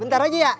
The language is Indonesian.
bentar aja ya